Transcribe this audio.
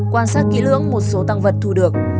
quan sát kỹ lưỡng một số tăng vật thu được